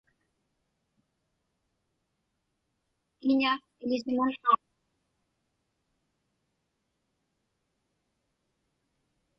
Kiña iḷisimałhaaqpauŋ?